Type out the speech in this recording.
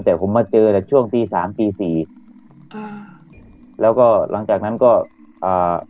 แต่ผมมาเจอแต่ช่วงตีสามตีสี่อ่าแล้วก็หลังจากนั้นก็อ่า